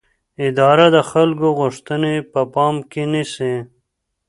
اداره د خلکو غوښتنې په پام کې نیسي.